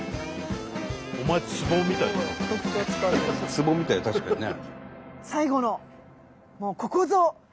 ツボみたい確かにね。